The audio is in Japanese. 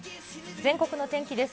全国の天気です。